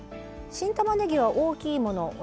新たまねぎは大きいもの